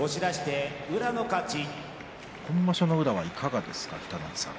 今場所の宇良はどうですか？